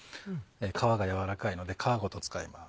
皮が柔らかいので皮ごと使います。